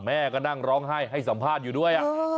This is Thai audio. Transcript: แม่ก็นั่งร้องไห้ให้สัมภาษณ์อยู่ด้วย